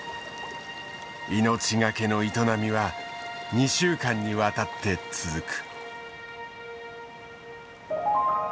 命懸けの営みは２週間にわたって続く。